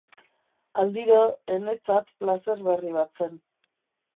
Aldiro, enetzat, plazer berri bat zen.